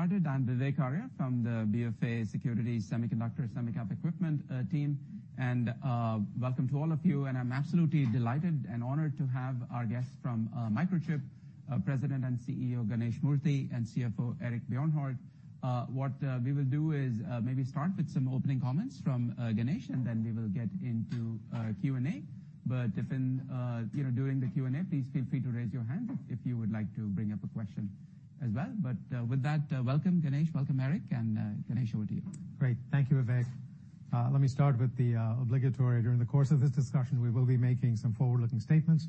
I'm Vivek Arya from the BFA Securities Semiconductor Equipment team. Welcome to all of you, and I'm absolutely delighted and honored to have our guests from Microchip, President and CEO, Ganesh Moorthy, and CFO, Eric Bjornholt. What we will do is maybe start with some opening comments from Ganesh, and then we will get into Q&A. If in, you know, during the Q&A, please feel free to raise your hand if you would like to bring up a question as well. With that, welcome, Ganesh, welcome, Eric, and Ganesh, over to you. Great. Thank you, Vivek. Let me start with the obligatory. During the course of this discussion, we will be making some forward-looking statements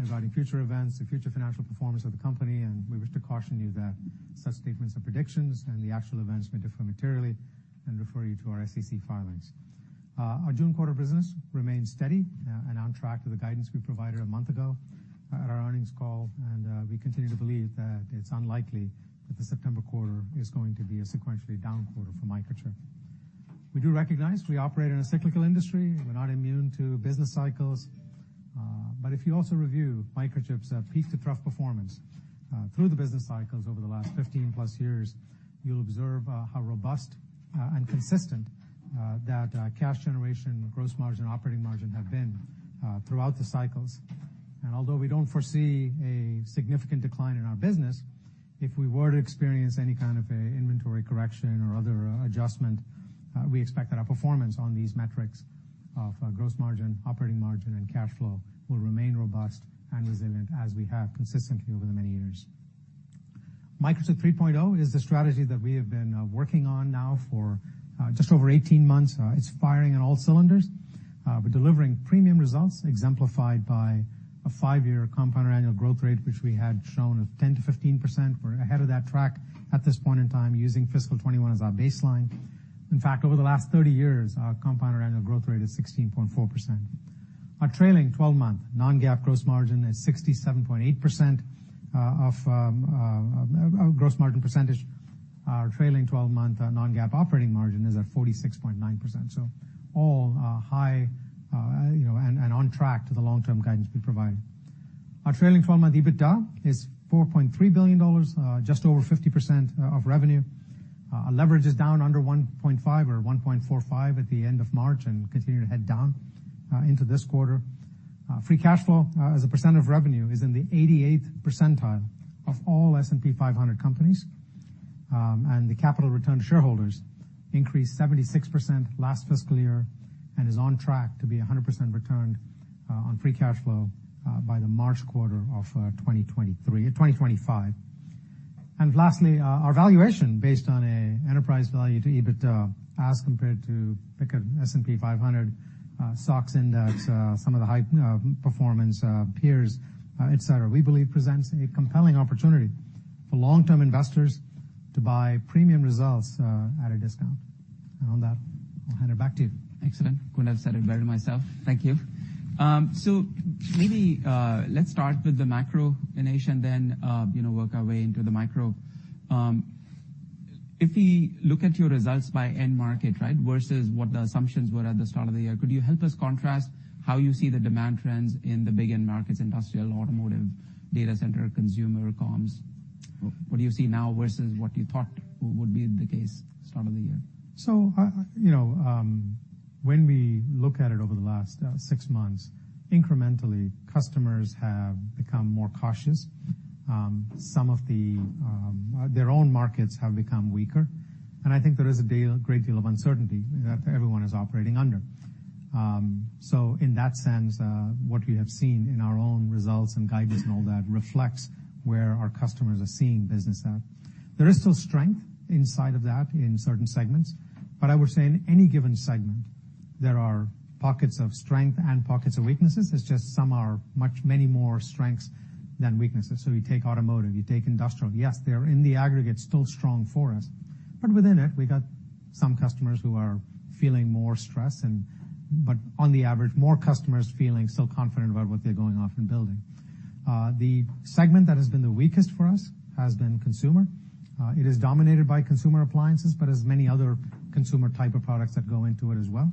regarding future events and future financial performance of the company, and we wish to caution you that such statements are predictions, and the actual events may differ materially, and refer you to our SEC filings. Our June quarter business remains steady and on track to the guidance we provided a month ago at our earnings call, and we continue to believe that it's unlikely that the September quarter is going to be a sequentially down quarter for Microchip. We do recognize we operate in a cyclical industry. We're not immune to business cycles, but if you also review Microchip's peak-to-trough performance, through the business cycles over the last 15-plus years, you'll observe how robust and consistent that cash generation, gross margin, operating margin have been throughout the cycles. Although we don't foresee a significant decline in our business, if we were to experience any kind of a inventory correction or other adjustment, we expect that our performance on these metrics of gross margin, operating margin, and cash flow will remain robust and resilient, as we have consistently over the many years. Microchip 3.0 is the strategy that we have been working on now for just over 18 months. It's firing on all cylinders. We're delivering premium results, exemplified by a five-year compound annual growth rate, which we had shown of 10%-15%. We're ahead of that track at this point in time, using fiscal 2021 as our baseline. In fact, over the last 30 years, our compound annual growth rate is 16.4%. Our trailing 12-month non-GAAP gross margin is 67.8% of gross margin percentage. Our trailing 12-month non-GAAP operating margin is at 46.9%. All high, you know, and on track to the long-term guidance we provided. Our trailing 12-month EBITDA is $4.3 billion, just over 50% of revenue. Our leverage is down under 1.5 or 1.45% at the end of March and continue to head down into this quarter. Free cash flow as a percent of revenue is in the 88th percentile of all S&P 500 companies. The capital return to shareholders increased 76% last fiscal year and is on track to be a 100% return on free cash flow by the March quarter of 2023, 2025. Lastly, our valuation based on a enterprise value to EBITDA as compared to, pick a S&P 500 stocks index, some of the high performance peers, et cetera, we believe presents a compelling opportunity for long-term investors to buy premium results at a discount. On that, I'll hand it back to you. Excellent. Couldn't have said it better myself. Thank you. Maybe, let's start with the macro, Ganesh, and then, you know, work our way into the micro. If we look at your results by end market, right, versus what the assumptions were at the start of the year, could you help us contrast how you see the demand trends in the big end markets, industrial, automotive, data center, consumer, comms? What do you see now versus what you thought would be the case start of the year? You know, when we look at it over the last 6 months, incrementally, customers have become more cautious. Their own markets have become weaker, and I think there is a great deal of uncertainty that everyone is operating under. In that sense, what we have seen in our own results and guidance and all that reflects where our customers are seeing business at. There is still strength inside of that in certain segments, but I would say in any given segment, there are pockets of strength and pockets of weaknesses. It's just some are many more strengths than weaknesses. You take automotive, you take industrial, yes, they are in the aggregate still strong for us, but within it, we've got some customers who are feeling more stressed, but on the average, more customers feeling still confident about what they're going off and building. The segment that has been the weakest for us has been consumer. It is dominated by consumer appliances, but there's many other consumer type of products that go into it as well.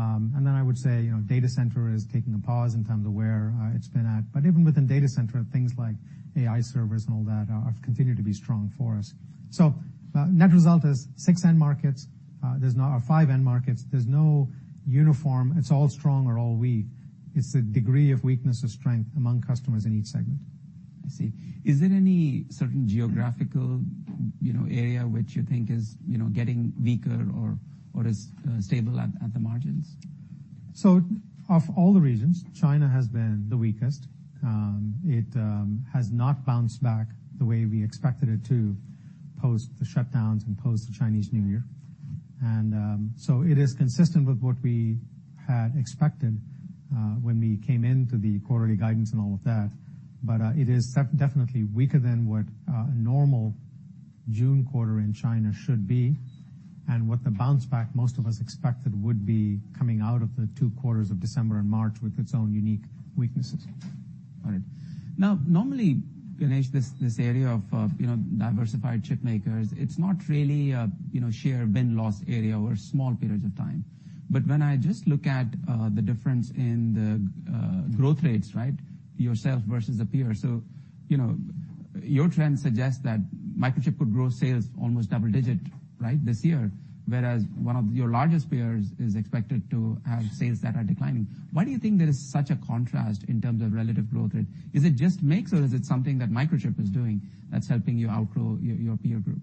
And then I would say, you know, data center is taking a pause in terms of where it's been at. Even within data center, things like AI servers and all that have continued to be strong for us. Net result is six end markets. five end markets. There's no uniform. It's all strong or all weak. It's the degree of weakness or strength among customers in each segment. I see. Is there any certain geographical, you know, area which you think is, you know, getting weaker or is stable at the margins? Of all the regions, China has been the weakest. It has not bounced back the way we expected it to post the shutdowns and post the Chinese New Year. It is consistent with what we had expected when we came into the quarterly guidance and all of that, but it is definitely weaker than what a normal June quarter in China should be, and what the bounce back most of us expected would be coming out of the two quarters of December and March with its own unique weaknesses. All right. Now, normally, Ganesh, this area of, you know, diversified chip makers, it's not really a, you know, share bin loss area over small periods of time. When I just look at the difference in the growth rates, right, yourself versus a peer. Your trend suggests that Microchip could grow sales almost double-digit, right, this year, whereas one of your largest peers is expected to have sales that are declining. Why do you think there is such a contrast in terms of relative growth rate? Is it just mix, or is it something that Microchip is doing that's helping you outgrow your peer group?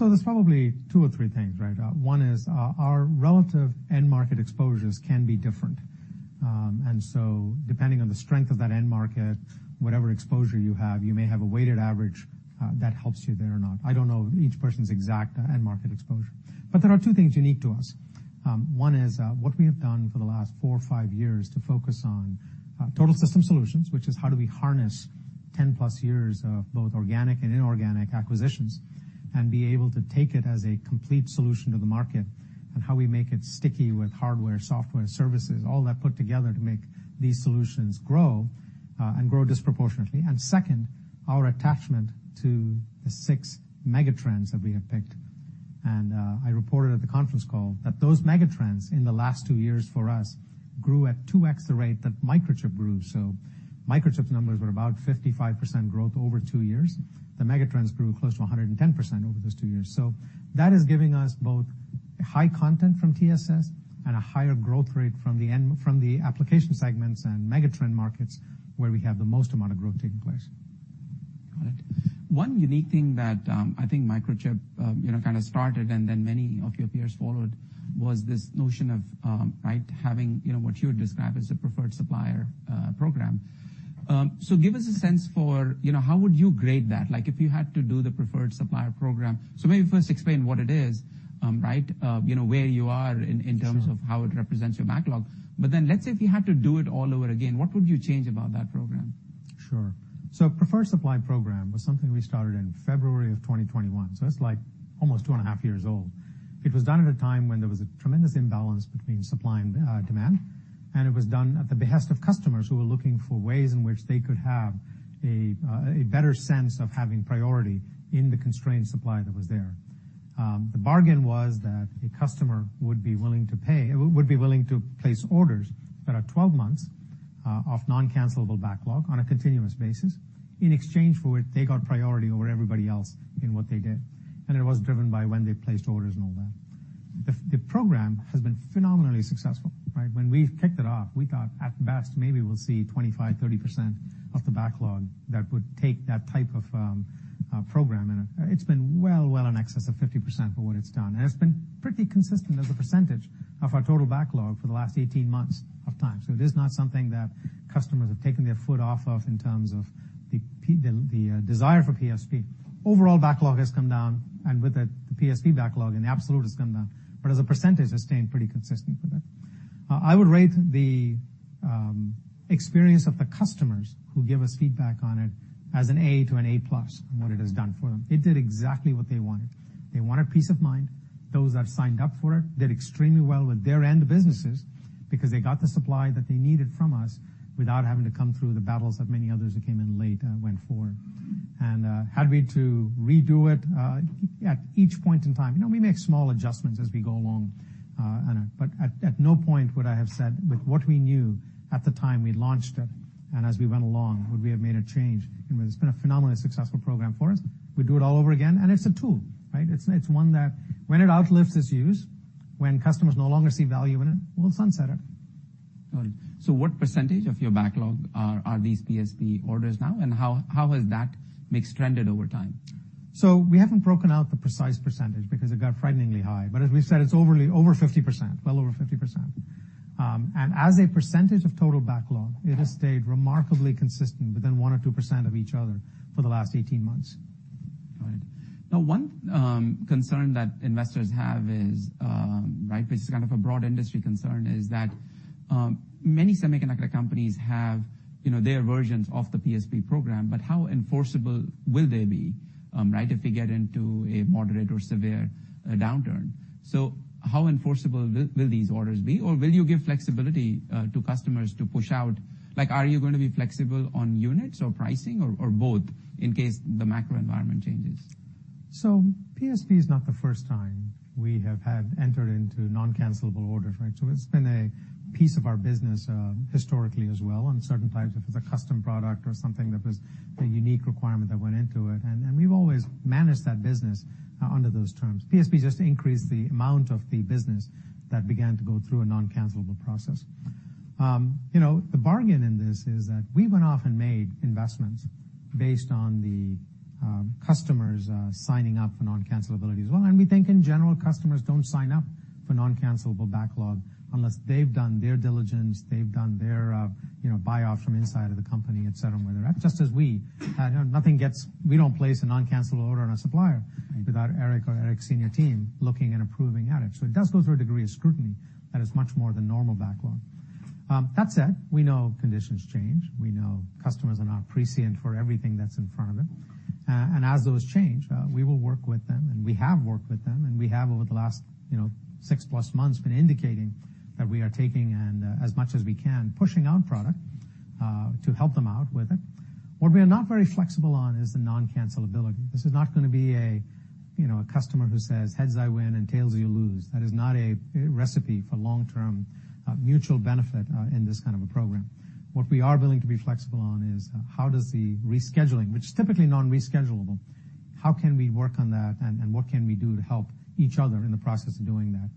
There's probably two or three things, right? One is, our relative end market exposures can be different. Depending on the strength of that end market, whatever exposure you have, you may have a weighted average that helps you there or not. I don't know each person's exact end market exposure. There are two things unique to us. One is, what we have done for the last four or five years to focus on Total System Solutions, which is how do we harness 10+ years of both organic and inorganic acquisitions and be able to take it as a complete solution to the market, and how we make it sticky with hardware, software, services, all that put together to make these solutions grow and grow disproportionately. Second, our attachment to the six megatrends that we have picked. I reported at the conference call that those megatrends in the last 2 years for us grew at 2x the rate that Microchip grew. Microchip's numbers were about 55% growth over 2 years. The megatrends grew close to 110% over those 2 years. That is giving us both high content from TSS and a higher growth rate from the application segments and megatrend markets, where we have the most amount of growth taking place. Got it. One unique thing that, I think Microchip, you know, kind of started, and then many of your peers followed, was this notion of, right, having, you know, what you would describe as a Preferred Supplier Program. Give us a sense for, you know, how would you grade that? Like, if you had to do the Preferred Supplier Program. Maybe first explain what it is, right, you know, where you are in terms- Sure. -of how it represents your backlog. Let's say, if you had to do it all over again, what would you change about that program? Sure. Preferred Supply Program was something we started in February of 2021, so it's, like, almost 2 and half years old. It was done at a time when there was a tremendous imbalance between supply and demand, and it was done at the behest of customers who were looking for ways in which they could have a better sense of having priority in the constrained supply that was there. The bargain was that a customer would be willing to pay, would be willing to place orders that are 12 months of non-cancellable backlog on a continuous basis. In exchange for it, they got priority over everybody else in what they did, and it was driven by when they placed orders and all that. The program has been phenomenally successful, right? When we kicked it off, we thought, at best, maybe we'll see 25%-30% of the backlog that would take that type of program, and it's been well, well in excess of 50% for what it's done. It's been pretty consistent as a percentage of our total backlog for the last 18 months of time, so it is not something that customers have taken their foot off of in terms of the desire for PSP. Overall backlog has come down, and with the PSP backlog in absolute, it's come down, but as a percentage, it's staying pretty consistent with it. I would rate the experience of the customers who give us feedback on it as an A to an A plus on what it has done for them. It did exactly what they wanted. They wanted peace of mind. Those that signed up for it did extremely well with their end businesses, because they got the supply that they needed from us without having to come through the battles that many others who came in late went for. Had we to redo it at each point in time. You know, we make small adjustments as we go along, and but at no point would I have said, with what we knew at the time we launched it and as we went along, would we have made a change. It's been a phenomenally successful program for us. We'd do it all over again. It's a tool, right? It's one that when it outlives its use, when customers no longer see value in it, we'll sunset it. Got it. What percentage of your backlog are these PSP orders now, and how has that mix trended over time? We haven't broken out the precise percentage because it got frighteningly high, but as we've said, it's over 50%, well over 50%. As a percentage of total backlog, it has stayed remarkably consistent within 1% or 2% of each other for the last 18 months. All right. Now, one concern that investors have is, right, which is kind of a broad industry concern, is that many semiconductor companies have, you know, their versions of the PSP program, but how enforceable will they be, right, if we get into a moderate or severe downturn? How enforceable will these orders be, or will you give flexibility to customers to push out? Like, are you going to be flexible on units or pricing or both, in case the macro-environment changes? PSP is not the first time we have had entered into non-cancellable orders, right? It's been a piece of our business historically as well, on certain types of a custom product or something that was a unique requirement that went into it, and we've always managed that business under those terms. PSP just increased the amount of the business that began to go through a non-cancellable process. You know, the bargain in this is that we went off and made investments based on the customers signing up for non-cancellability as well, and we think, in general, customers don't sign up for non-cancellable backlog unless they've done their diligence, they've done their, you know, buyoff from inside of the company, et cetera, just as we. We don't place a non-cancellable order on a supplier. Right. -Without Eric or Eric's senior team looking and approving at it. It does go through a degree of scrutiny that is much more than normal backlog. That said, we know conditions change. We know customers are not prescient for everything that's in front of them, and as those change, we will work with them, and we have worked with them, and we have, over the last, you know, six plus months, been indicating that we are taking and, as much as we can, pushing out product, to help them out with it. What we are not very flexible on is the non-cancellability. This is not gonna be a, you know, a customer who says, "Heads, I win, and tails, you lose." That is not a recipe for long-term, mutual benefit, in this kind of a program. What we are willing to be flexible on is how does the rescheduling, which is typically non-reschedulable. How can we work on that, and what can we do to help each other in the process of doing that?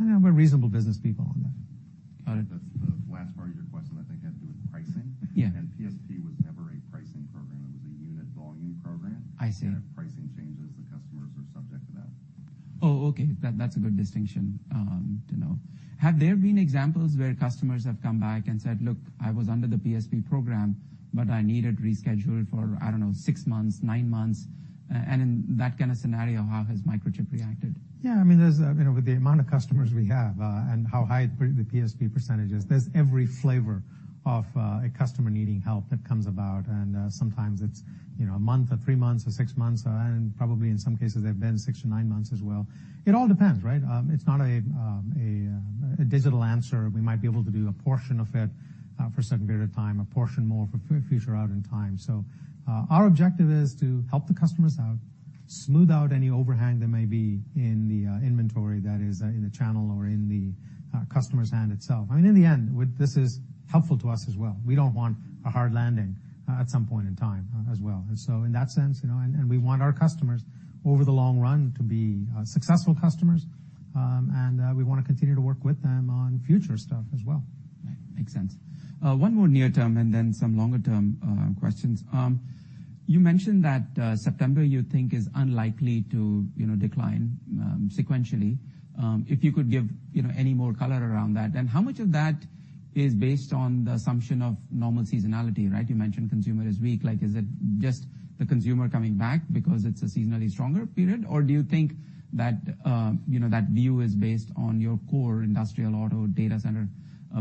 We're reasonable business people on that. Got it. The last part of your question, I think, had to do with pricing. Yeah. PSP was never a pricing program. It was a unit volume program. I see. If pricing changes, the customers are subject to that. Oh, okay. That's a good distinction, to know. Have there been examples where customers have come back and said, "Look, I was under the PSP program, but I need it rescheduled for, I don't know, six months, nine months," In that kind of scenario, how has Microchip reacted? Yeah, I mean, there's, you know, with the amount of customers we have, and how high the PSP percentage is, there's every flavor of a customer needing help that comes about. Sometimes it's, you know, a month or three months or six months, and probably in some cases they've been 6-9 months as well. It all depends, right? It's not a digital answer. We might be able to do a portion of it for a certain period of time, a portion more for future out in time. Our objective is to help the customers out, smooth out any overhang there may be in the inventory that is in the channel or in the customer's hand itself. I mean, in the end, this is helpful to us as well. We don't want a hard landing at some point in time as well. In that sense, you know, and we want our customers over the long run to be successful customers, and we wanna continue to work with them on future stuff as well. Right. Makes sense. one more near term, and then some longer-term, questions. You mentioned that September you think is unlikely to, you know, decline, sequentially. If you could give, you know, any more color around that. How much of that is based on the assumption of normal seasonality, right? You mentioned consumer is weak. Like, is it just the consumer coming back because it's a seasonally stronger period, or do you think that, you know, that view is based on your core industrial auto data center,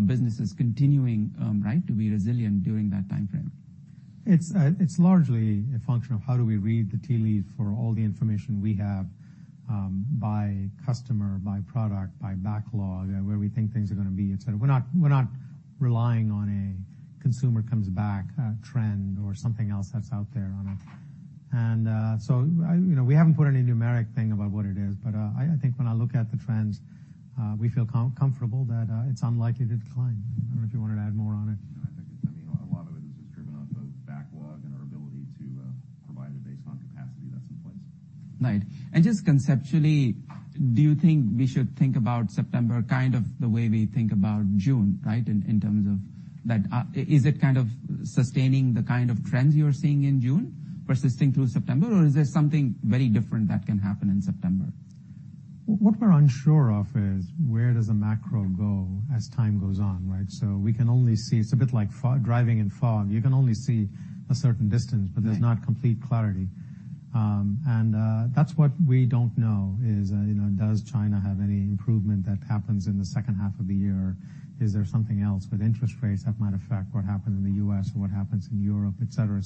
businesses continuing, right, to be resilient during that timeframe? It's, it's largely a function of how do we read the tea leaves for all the information we have, by customer, by product, by backlog, where we think things are gonna be, et cetera. We're not relying on a consumer comes back, trend or something else that's out there on it. You know, we haven't put any numeric thing about what it is, but I think when I look at the trends, we feel comfortable that it's unlikely to decline. I don't know if you wanted to add more on it. I think I mean, a lot of it is just driven off of backlog and our ability to provide a baseline capacity that's in place. Right. Just conceptually, do you think we should think about September kind of the way we think about June, right, in terms of that? Is it kind of sustaining the kind of trends you're seeing in June persisting through September, or is there something very different that can happen in September? What we're unsure of is: Where does the macro go as time goes on, right? We can only see. It's a bit like fog, driving in fog. You can only see a certain distance. Right But does not complete clarity. That's what we don't know, is, you know, does China have any improvement that happens in the second half of the year? Is there something else with interest rates that might affect what happened in the U.S. or what happens in Europe, et cetera?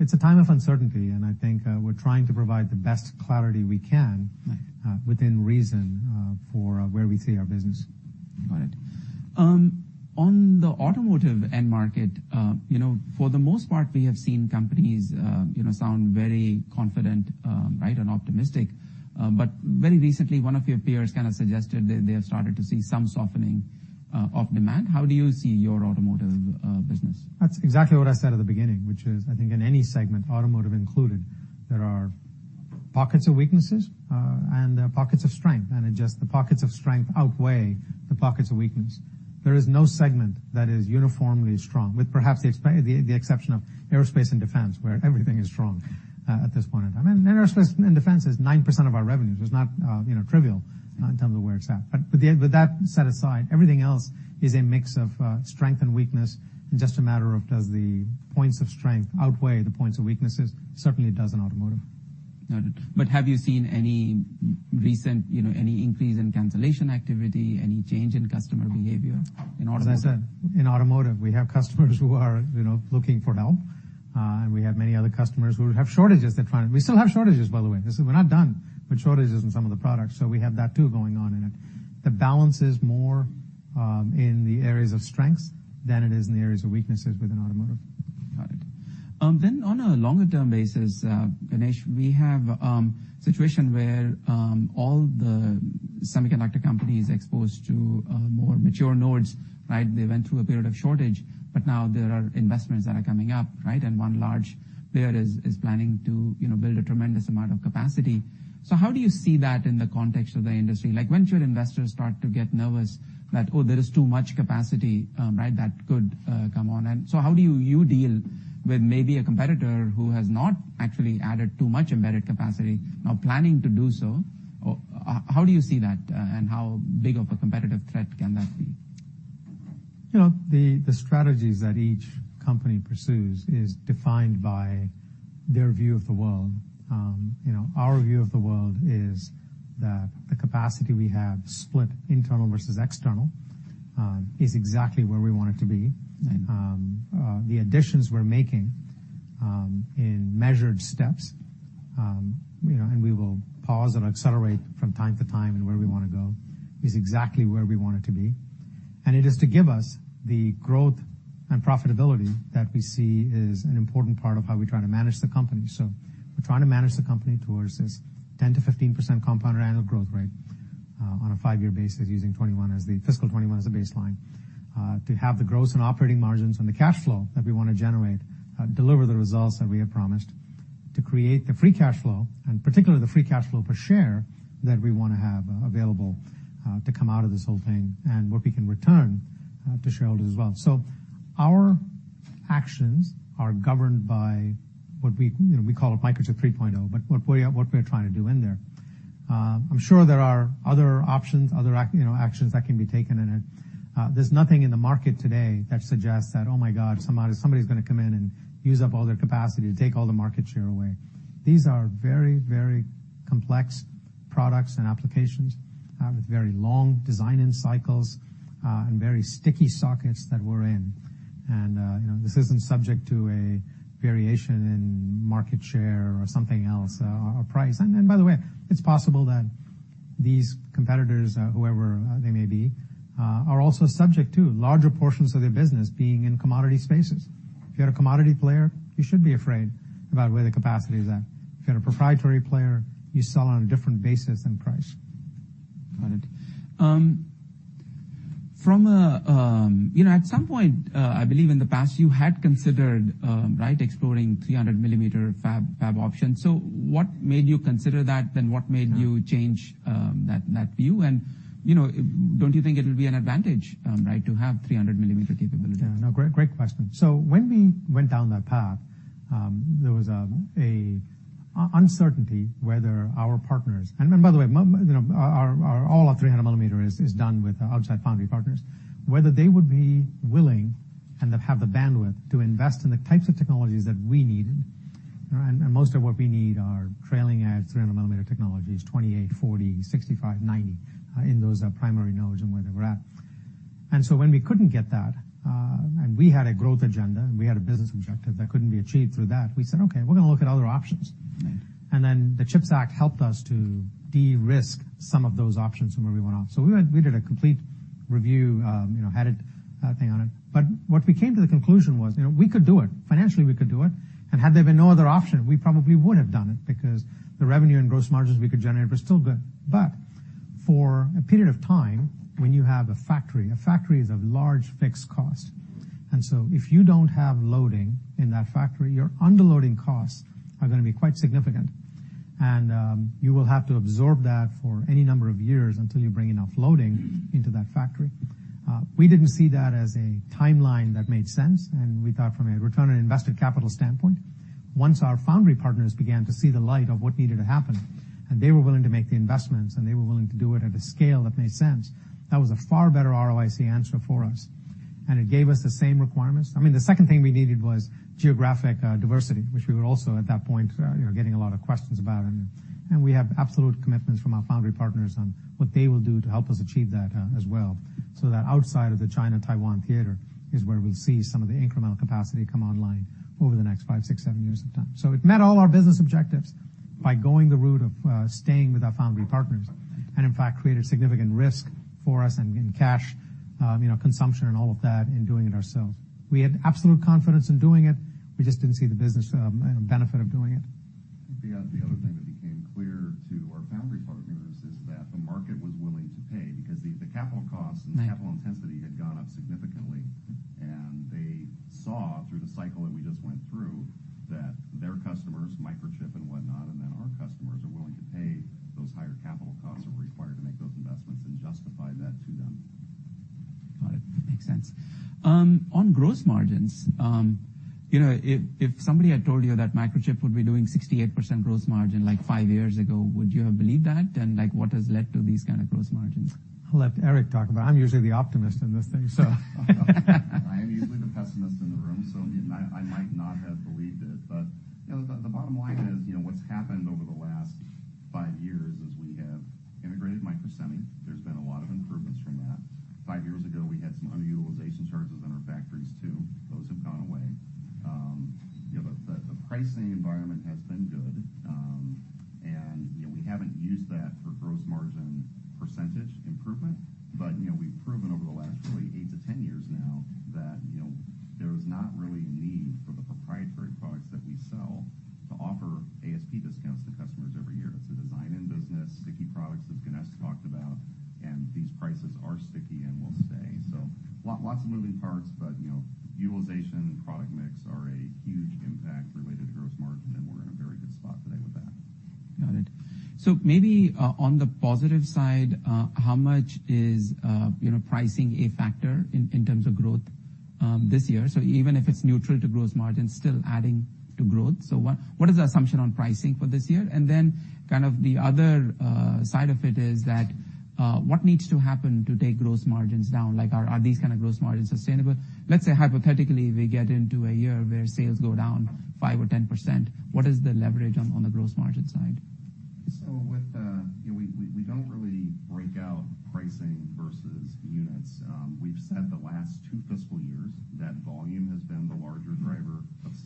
It's a time of uncertainty, and I think, we're trying to provide the best clarity we can. Right Within reason, for where we see our business. Got it. On the automotive end market, you know, for the most part, we have seen companies, you know, sound very confident, right, and optimistic. Very recently, one of your peers kind of suggested that they have started to see some softening of demand. How do you see your automotive business? That's exactly what I said at the beginning, which is, I think in any segment, automotive included, there are pockets of weaknesses, and there are pockets of strength, and it just, the pockets of strength outweigh the pockets of weakness. There is no segment that is uniformly strong, with perhaps the exception of aerospace and defense, where everything is strong, at this point in time. aerospace and defense is 9% of our revenue, so it's not, you know trivial. Right... in terms of where it's at. Yeah, with that set aside, everything else is a mix of strength and weakness, and just a matter of does the points of strength outweigh the points of weaknesses? Certainly it does in automotive. Got it. Have you seen any recent, you know, any increase in cancellation activity, any change in customer behavior in automotive? As I said, in automotive, we have customers who are, you know, looking for help. We have many other customers who have shortages. We still have shortages, by the way. This is, we're not done with shortages in some of the products, so we have that, too, going on in it. The balance is more in the areas of strengths than it is in the areas of weaknesses within automotive. Got it. On a longer-term basis, Ganesh, we have situation where all the semiconductor companies exposed to more mature nodes, right? They went through a period of shortage, but now there are investments that are coming up, right? One large player is planning to, you know, build a tremendous amount of capacity. How do you see that in the context of the industry? Like, when should investors start to get nervous that, oh, there is too much capacity, right, that could come on in? How do you deal with maybe a competitor who has not actually added too much embedded capacity, now planning to do so? How do you see that and how big of a competitive threat can that be? You know, the strategies that each company pursues is defined by their view of the world. You know, our view of the world is that the capacity we have split internal versus external, is exactly where we want it to be. Right. The additions we're making, in measured steps, you know, and we will pause and accelerate from time to time in where we wanna go, is exactly where we want it to be. It is to give us the growth and profitability that we see is an important part of how we try to manage the company. We're trying to manage the company towards this 10%-15% compound annual growth rate on a five-year basis, using 2021 as the, fiscal 2021 as a baseline, to have the gross and operating margins and the cash flow that we want to generate, deliver the results that we have promised. To create the free cash flow, and particularly the free cash flow per share, that we want to have available to come out of this whole thing and what we can return to shareholders as well. Our actions are governed by what we, you know, we call it Microchip 3.0, but what we, what we're trying to do in there. I'm sure there are other options, other you know, actions that can be taken, and there's nothing in the market today that suggests that, "Oh, my god, somebody's gonna come in and use up all their capacity to take all the market share away." These are very, very complex products and applications, with very long design and cycles, and very sticky sockets that we're in. You know, this isn't subject to a variation in market share or something else, or price. By the way, it's possible that these competitors, whoever they may be, are also subject to larger portions of their business being in commodity spaces. If you're a commodity player, you should be afraid about where the capacity is at. If you're a proprietary player, you sell on a different basis than price. Got it. You know, at some point, I believe in the past, you had considered, right, exploring 300 mm fab options. What made you consider that, then what made you change that view? You know, don't you think it will be an advantage, right, to have 300 mm capability? Yeah, no, great question. When we went down that path, there was uncertainty whether our partners. By the way, you know, all our 300mm is done with outside foundry partners, whether they would be willing and then have the bandwidth to invest in the types of technologies that we needed. All right, most of what we need are trailing at 300 mm technologies, 28, 40, 65, 90, in those primary nodes and where they were at. When we couldn't get that, we had a growth agenda, and we had a business objective that couldn't be achieved through that, we said, "Okay, we're gonna look at other options. Right. The CHIPS Act helped us to de-risk some of those options from where we went on. We did a complete review, you know, had it thing on it. What we came to the conclusion was, you know, we could do it. Financially, we could do it, and had there been no other option, we probably would have done it because the revenue and gross margins we could generate were still good. For a period of time, when you have a factory, a factory is of large fixed cost. If you don't have loading in that factory, your underloading costs are gonna be quite significant, and you will have to absorb that for any number of years until you bring enough loading into that factory. We didn't see that as a timeline that made sense, and we thought from a return on invested capital standpoint, once our foundry partners began to see the light of what needed to happen, and they were willing to make the investments, and they were willing to do it at a scale that made sense, that was a far better ROIC answer for us, and it gave us the same requirements. I mean, the second thing we needed was geographic diversity, which we were also, at that point, you know, getting a lot of questions about, and we have absolute commitments from our foundry partners on what they will do to help us achieve that as well. That outside of the China, Taiwan theater is where we'll see some of the incremental capacity come online over the next five, six, seven years of time. It met all our business objectives by going the route of staying with our foundry partners, and in fact, created significant risk for us and in cash, you know, consumption and all of that, in doing it ourselves. We had absolute confidence in doing it. We just didn't see the business benefit of doing it. The other thing that became clear to our foundry partners is that the market was willing to pay because the capital costs. Right. Capital intensity had gone up significantly, and they saw through the cycle that we just went through, that their customers, Microchip and whatnot, and then our customers, are willing to pay those higher capital costs that were required to make those investments and justify that to them. Got it. Makes sense. On gross margins, you know, if somebody had told you that Microchip would be doing 68% gross margin, like, five years ago, would you have believed that? Like, what has led to these kind of gross margins? I'll let Eric talk about it. I'm usually the optimist in this thing, so. I am usually the pessimist in the room, so I might not have believed it. You know, the bottom line is, you know, what's happened over the last 5 years is we have integrated Microsemi. There's been a lot of improvements from that. five years ago, we had some underutilization charges in our factories, too. Those have gone away. You know, the pricing environment has been good, and, you know, we haven't used that for gross margin % improvement, but, you know, we've proven over the last really eight to 10 years now that, you know, there is not really a need for the proprietary products that we sell to offer ASP discounts to customers every year. It's a design in business, sticky products, as Ganesh talked about, and these prices are sticky and will stay. Lots of moving parts, but, you know, utilization and product mix are a huge impact related to gross margin, and we're in a very good spot today with that. Got it. Maybe, on the positive side, how much is, you know, pricing a factor in terms of growth, this year? Even if it's neutral to gross margin, still adding to growth. What is the assumption on pricing for this year? Then kind of the other side of it is that, what needs to happen to take gross margins down? Like, are these kind of gross margins sustainable? Let's say, hypothetically, we get into a year where sales go down 5% or 10%. What is the leverage on the gross margin side? With, you know, we don't really break out pricing versus units. We've said the last two fiscal years that volume has been the larger driver. Mm-hmm. -of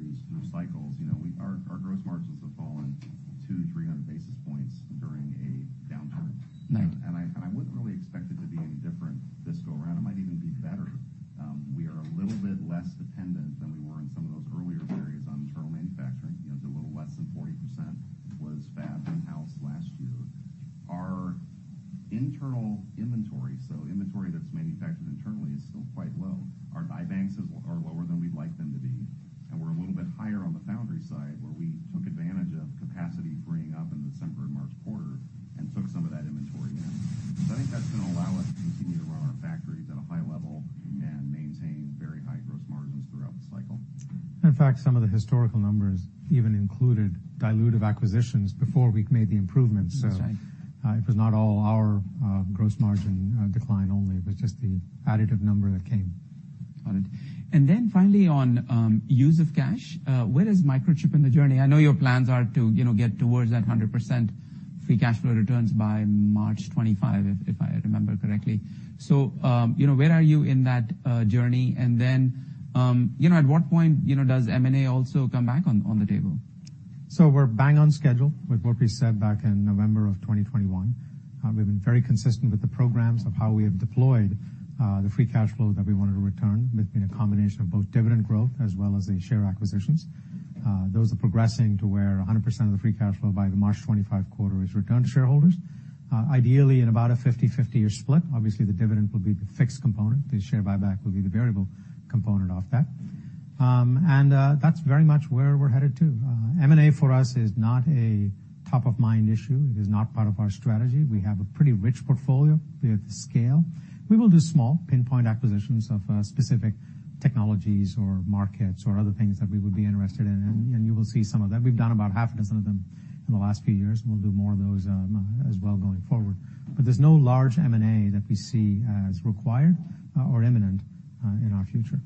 sales improvement than pricing. I'd expect that to be the case, going forward, too. You know, Our margins are very consistent. If you look at the last 15 years of histories through cycles, you know, our gross margins have fallen 200-300 basis points during a downturn. Right. I wouldn't really expect it to be any different this go around. It might even be better. We are a little bit less dependent than we were in some of those earlier periods on internal manufacturing. You know, it's a little less than 40% was fab in-house last year. Our internal inventory, so inventory that's manufactured internally, is still quite low. Our buy banks are lower than we'd like them to be, and we're a little bit higher on the foundry side, where we took advantage of capacity freeing up in the December and March quarter and took some of that inventory in. I think that's gonna allow us to continue to run our factories at a high level and maintain very high gross margins throughout the cycle. In fact, some of the historical numbers even included dilutive acquisitions before we made the improvements. That's right. It was not all our, gross margin, decline only. It was just the additive number that came. Got it. Finally, on use of cash, where is Microchip in the journey? I know your plans are to, you know, get towards that 100% free cash flow returns by March 2025, if I remember correctly. At what point, you know, does M&A also come back on the table? We're bang on schedule with what we said back in November 2021. We've been very consistent with the programs of how we have deployed the free cash flow that we wanted to return. It's been a combination of both dividend growth as well as the share acquisitions. Those are progressing to where 100% of the free cash flow by the March 25 quarter is returned to shareholders, ideally in about a 50/50 year split. Obviously, the dividend will be the fixed component. The share buyback will be the variable component of that. That's very much where we're headed to. M&A, for us, is not a top-of-mind issue. It is not part of our strategy. We have a pretty rich portfolio. We have the scale. We will do small, pinpoint acquisitions of specific technologies or markets or other things that we would be interested in, and you will see some of that. We've done about half a dozen of them in the last few years, and we'll do more of those as well going forward. There's no large M&A that we see as required or imminent in our future.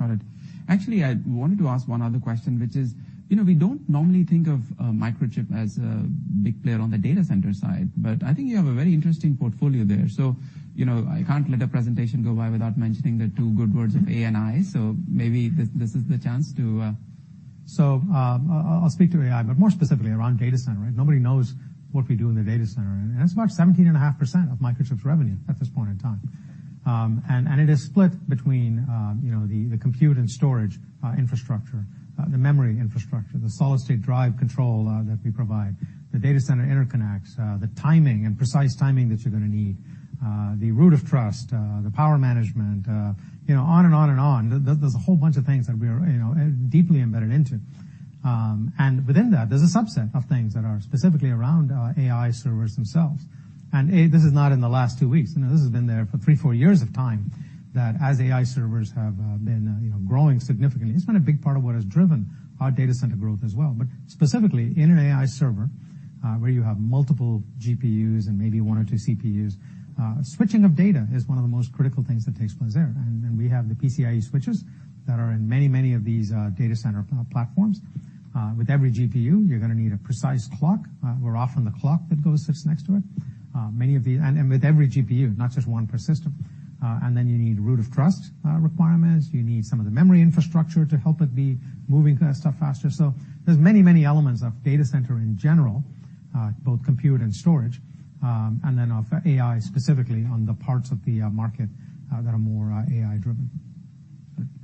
Got it. Actually, I wanted to ask one other question, which is, you know, we don't normally think of Microchip as a big player on the data center side, but I think you have a very interesting portfolio there. You know, I can't let a presentation go by without mentioning the two good words of AI. Maybe this is the chance to. I'll speak to AI, but more specifically around data center, right? Nobody knows what we do in the data center, and it's about 17 and a half % of Microchip's revenue at this point in time. And it is split between, you know, the compute and storage infrastructure, the memory infrastructure, the solid state drive control that we provide, the data center interconnects, the timing and precise timing that you're gonna need, the root of trust, the power management, you know, on and on and on. There's a whole bunch of things that we are, you know, deeply embedded into. And within that, there's a subset of things that are specifically around AI servers themselves. A, this is not in the last two weeks, you know, this has been there for three, four years of time, that as AI servers have been, you know, growing significantly, it's been a big part of what has driven our data center growth as well. Specifically, in an AI server, where you have multiple GPUs and maybe one or two CPUs, switching of data is one of the most critical things that takes place there, and we have the PCIe switches that are in many of these data center platforms. With every GPU, you're gonna need a precise clock. We're often the clock that goes, sits next to it. With every GPU, not just one per system. Then you need root of trust requirements. You need some of the memory infrastructure to help it be moving that stuff faster. There's many, many elements of data center in general, both compute and storage, and then of AI, specifically on the parts of the market that are more AI-driven.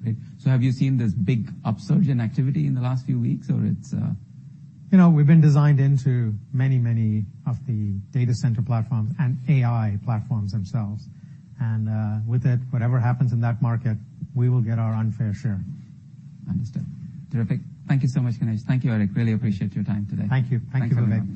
Great. Have you seen this big upsurge in activity in the last few weeks, or it's? You know, we've been designed into many, many of the data center platforms and AI platforms themselves, and with it, whatever happens in that market, we will get our unfair share. Understood. Terrific. Thank you so much, Ganesh. Thank you, Eric. Really appreciate your time today. Thank you. Thank you very much.